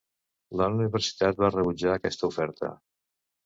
La Universitat va rebutjar aquesta oferta.